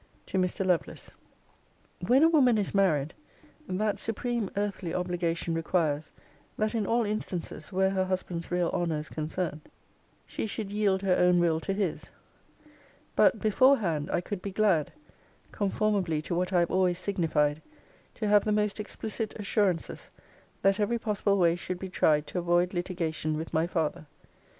TO MR. LOVELACE 'When a woman is married, that supreme earthly obligation requires, that in all instances, where her husband's real honour is concerned, she should yield her own will to his. But, beforehand, I could be glad, conformably to what I have always signified, to have the most explicit assurances, that every possible way should be tried to avoid litigation with my father.